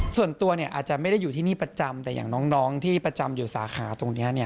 ส่วนตัวอาจจะไม่ได้อยู่ที่นี่ประจำแต่อย่างน้องที่ประจำอยู่สาขาตรงนี้